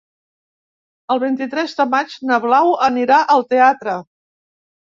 El vint-i-tres de maig na Blau anirà al teatre.